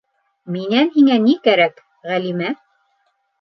Минән һиңә ни кәрәк, Ғәлимә?